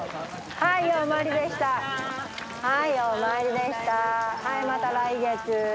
はいまた来月。